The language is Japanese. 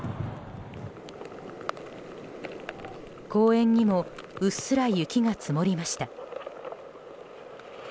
公園にもうっすら雪が積もりました。